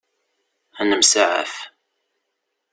Ad nemsaɛaf.